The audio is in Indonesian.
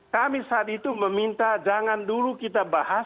kami saat itu meminta jangan dulu kita bahas